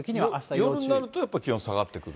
夜になるとやっぱり気温が下がってくると。